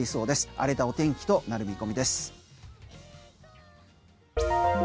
荒れたお天気となる見込みです。